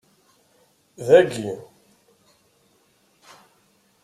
Dagi.